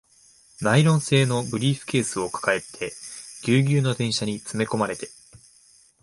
ナイロン製のブリーフケースを抱えて、ギュウギュウの電車に詰め込まれて